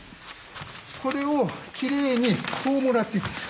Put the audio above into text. これをきれいにこうもらっていく。